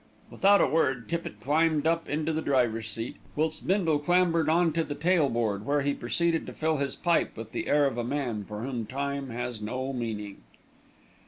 Without a word, Tippitt climbed up into the driver's seat, whilst Bindle clambered on to the tail board, where he proceeded to fill his pipe with the air of a man for whom time has no meaning.